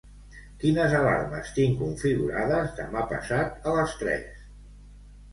Quines alarmes tinc configurades demà passat a les tres?